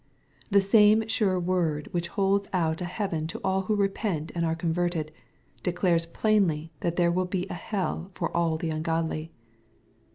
The same sure word which holds out a heaven to aU who repent and are converted, declares plainly that there will be a hell for all the ungodly.